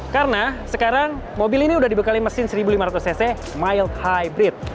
karena sekarang mobil ini udah dibekali mesin seribu lima ratus cc mild hybrid